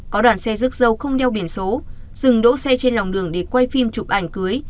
có đoàn xe rước dâu không đeo biển số dừng đỗ xe trên lòng đường để quay phim chụp ảnh cưới